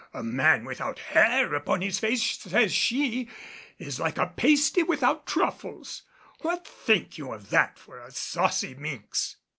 'A man without hair upon his face,' says she, 'is like a pasty without truffles.' What think you of that for a saucy minx?"